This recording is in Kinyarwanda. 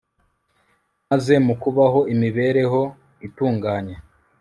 maze mu kubaho imibereho itunganye